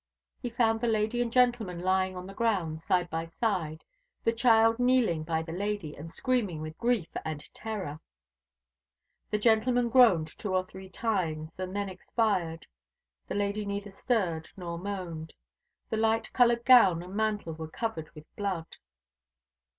He found the lady and gentleman lying on the ground, side by side, the child kneeling by the lady; and screaming with grief and terror. The gentleman groaned two or three times, and then expired. The lady neither stirred nor moaned. Her light coloured gown and mantle were covered with blood.